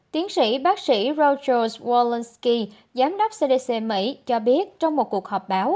tiến sĩ bác sĩ rogers walensky giám đốc cdc mỹ cho biết trong một cuộc họp báo